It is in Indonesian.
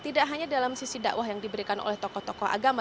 tidak hanya dalam sisi dakwah yang diberikan oleh tokoh tokoh agama